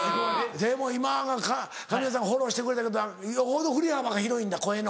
でも今神谷さんフォローしてくれたけどよほど振り幅が広いんだ声の。